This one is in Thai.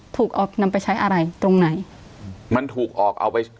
ถูกเอานำไปใช้อะไรตรงไหนมันถูกออกเอาไป